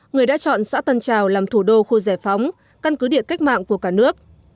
người đã chọn xã tân trào làm thủ đô khu giải phóng căn cứ địa cách mạng của cả nước